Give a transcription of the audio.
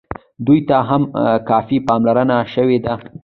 دوی ته هم کافي پاملرنه شوې ده.